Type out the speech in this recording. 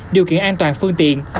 điều kiện an toàn phương tiện